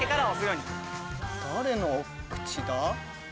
誰の口だ？